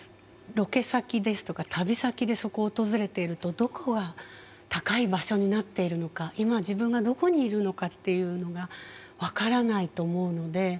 ロケ先ですとか旅先でそこを訪れているとどこが高い場所になっているのか今自分がどこにいるのかっていうのが分からないと思うので。